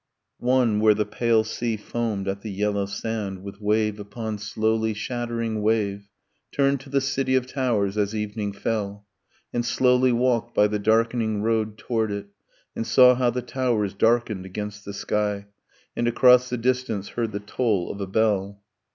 One, where the pale sea foamed at the yellow sand, With wave upon slowly shattering wave, Turned to the city of towers as evening fell; And slowly walked by the darkening road toward it; And saw how the towers darkened against the sky; And across the distance heard the toll of a bell.